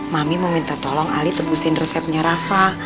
mami mau minta tolong ali tebusin resepnya rafa